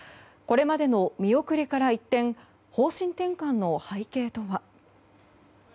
これまでの見送りから一転方針転換の背景とは。